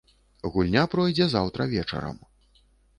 Гульня пройдзе заўтра вечарам.